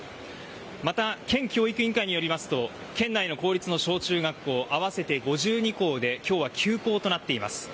また、県教育委員会によりますと県内の公立の小中学校合わせて５２校で今日は休校となっています。